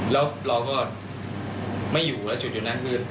แล้วเราก็ไม่อยู่แล้วจุดนั้นคือ